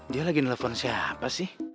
dia lagi nelfon siapa sih